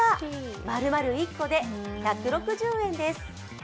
丸々１個で１６０円です。